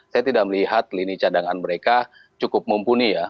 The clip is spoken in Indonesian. saya tidak melihat lini cadangan mereka cukup mumpuni ya